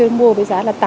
mình mua ở đâu đây rồi